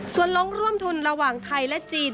ส่วนลงร่วมทุนระหว่างไทยและจีน